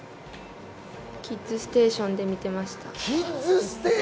キッズステーションで見てました。